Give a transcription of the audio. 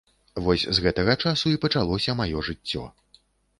Вось з гэтага часу і пачалося маё жыццё.